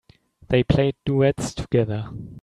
They play duets together.